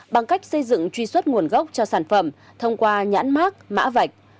bằng cách xây dựng truy xuất nguồn gốc cho sản phẩm thông qua nhãn mát mã vạch